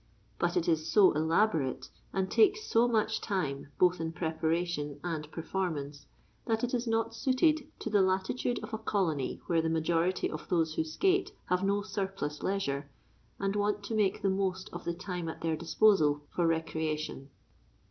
But it is so elaborate, and takes so much time both in preparation and performance, that it is not suited to the latitude of a colony where the majority of those who skate have no surplus leisure, and want to make the most of the time at their disposal for recreation.